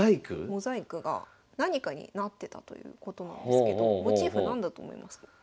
モザイクが何かになってたということなんですけどモチーフなんだと思いますか？